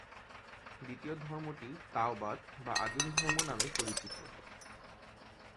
দ্বিতীয় ধর্মটি তাওবাদ বা আদিম ধর্ম নামে পরিচিত।